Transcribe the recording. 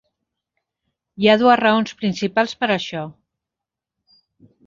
Hi ha dues raons principals per a això.